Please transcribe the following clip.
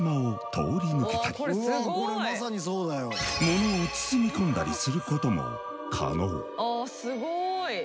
物を包み込んだりすることも可能。